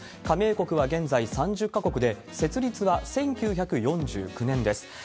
加盟国は現在３０か国で、設立は１９４９年です。